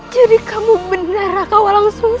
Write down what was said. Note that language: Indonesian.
jadi ibu adalah rasul subang larang